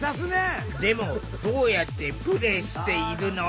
でもどうやってプレイしているの？